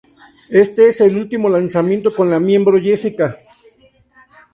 Este es el último lanzamiento con la miembro Jessica.